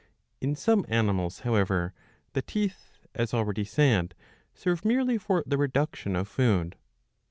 In some animals, however, the teeth, as already said, serve merely for the reduction of food.